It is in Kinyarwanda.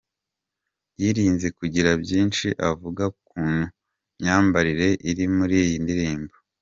Yirinze kugira byinshi avuga ku myambarire iri muri iyi ndirimbo.